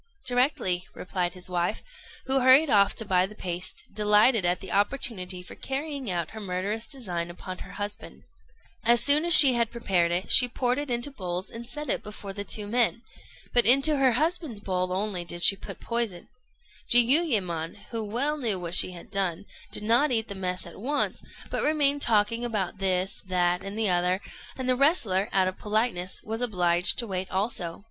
"Directly," replied his wife, who hurried off to buy the paste, delighted at the opportunity for carrying out her murderous design upon her husband. As soon she had prepared it, she poured it into bowls and set it before the two men; but into her husband's bowl only she put poison. Jiuyémon, who well knew what she had done, did not eat the mess at once, but remained talking about this, that, and the other; and the wrestler, out of politeness, was obliged to wait also.